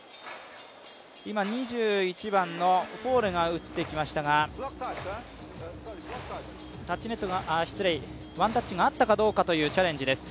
２１番のフォーレが打ってきましたがワンタッチがあったかどうかというチャレンジです。